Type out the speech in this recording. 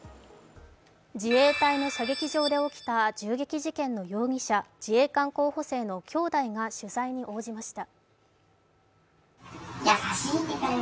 自衛隊の射撃場で起きた銃撃事件の容疑者、自衛官候補生の兄弟が取材に応じました。